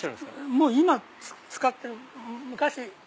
もう今使ってない昔。